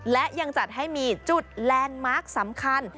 และยังจัดให้มีจุดแลนด์มาร์คสำคัญ